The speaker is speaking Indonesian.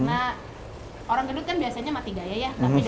karena orang gendut kan biasanya mati gaya ya